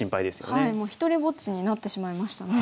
もう独りぼっちになってしまいましたね。